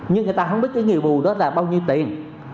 nhưng người ta không biết cái nghĩa vụ đó là bao nhiêu tiền